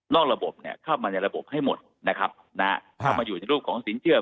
ระบบเนี่ยเข้ามาในระบบให้หมดนะครับนะฮะเข้ามาอยู่ในรูปของสินเชื่อ